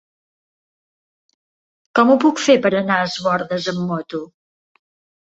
Com ho puc fer per anar a Es Bòrdes amb moto?